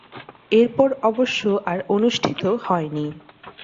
এরপর অবশ্য আর অনুষ্ঠিত হয়নি।